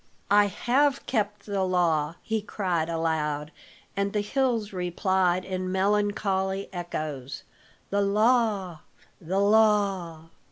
"I have kept the law!" he cried aloud, and the hills replied in melancholy echoes, "the law the law."